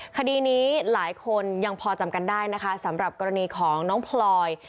คดีนี้หลายคนยังพอจำกันได้นะคะสำหรับกรณีของน้องพลอย